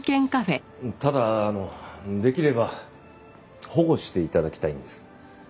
ただあのできれば保護して頂きたいんです。